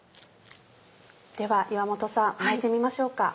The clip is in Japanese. では岩本さん巻いてみましょうか。